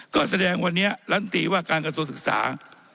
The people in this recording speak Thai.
ก็แสดงวันนี้รัฐตีว่าการกระทรวงศึกษา